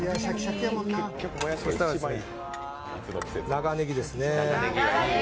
長ネギですね。